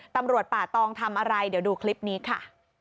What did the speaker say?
ตำรวจป่าตองทำอะไรเดี๋ยวดูคลิปนี้ค่ะ